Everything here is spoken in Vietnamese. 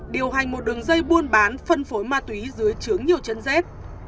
điều hành một đường dây buôn bán phân phối ma túy dưới chướng nhiều chân dép